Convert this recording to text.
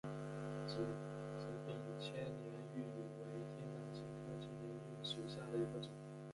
紫柄千年芋为天南星科千年芋属下的一个种。